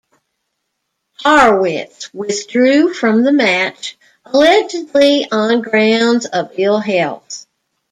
Harrwitz withdrew from the match, allegedly on grounds of ill health.